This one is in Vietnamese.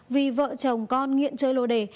vì vợ chồng con nghiện chơi lô đề